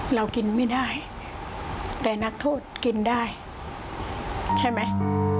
เรากินไม่ได้แต่นักโทษกินได้ใช่ไหม